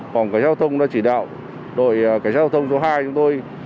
cảnh sát giao thông đã chỉ đạo đội cảnh sát giao thông số hai